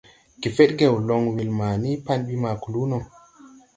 Gefedgew loŋ weel ma ni pan bi ma kluu no.